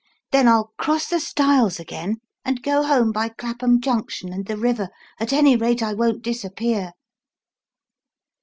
Then I'll cross the stiles again, and go home by Clappum Junction and the river. At any rate, I won't disappear."